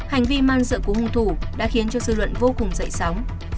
hành vi man sợ của hung thủ đã khiến cho dư luận vô cùng dậy sóng